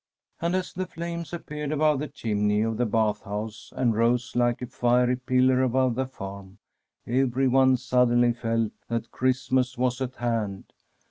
And as the flames appeared above the chimney of the bath house, and rose like a fiery pillar above the farm, everyone suddenly felt that Christmas was at hand.